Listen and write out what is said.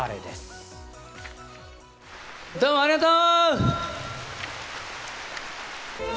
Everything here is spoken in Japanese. どうもありがとう！